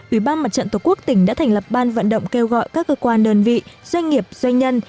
ủy ban mặt trận tổ quốc tỉnh đã thành lập ban vận động kêu gọi các cơ quan đơn vị doanh nghiệp doanh nhân